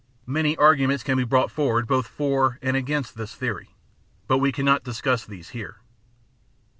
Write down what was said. Many arguments can be brought forward both for and against this theory, but we can not discuss these here.